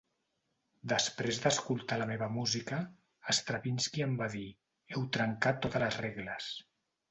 Després d'escoltar la meva música, Stravinsky em va dir "Heu trencat totes les regles".